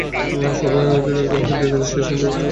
সবাই অধীর আগ্রহ নিয়ে দেখছে যে সিম্বা এটা কিভাবে করবে।